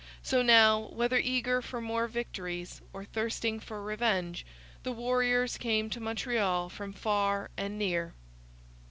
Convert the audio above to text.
So now, whether eager for more victories or thirsting for revenge, the warriors came to Montreal from far and near.